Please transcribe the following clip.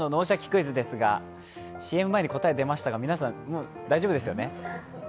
クイズ」ですが、ＣＭ前に答えが出ましたが、皆さん大丈夫ですよね？